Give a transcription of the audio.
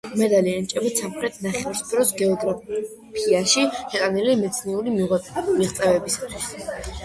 მედალი ენიჭებათ სამხრეთ ნახევარსფეროს გეოგრაფიაში შეტანილი მეცნიერული მიღწევებისათვის.